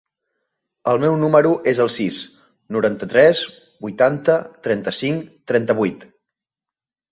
El meu número es el sis, noranta-tres, vuitanta, trenta-cinc, trenta-vuit.